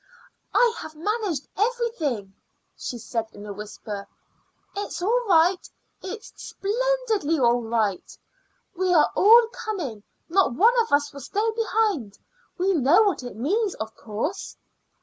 "I have managed everything," she said in a whisper. "It's all right; it's splendidly right. We are all coming; not one of us will stay behind. We know what it means, of course."